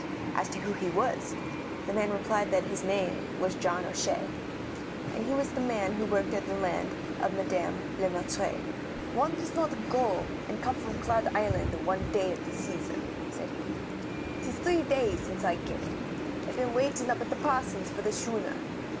As to who he was, the man replied that his name was John O'Shea, and he was the man who worked the land of Madame Le Maître. "One does not go and come from Cloud Island in one day at this season," said he. "'Tis three days ago since I came. I've been waiting up at the parson's for the schooner.